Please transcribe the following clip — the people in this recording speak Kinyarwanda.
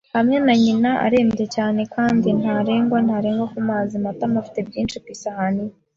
Hamwe na nyina arembye cyane kandi ntarengwa ntarengwa ku kazi, Matama afite byinshi ku isahani ye.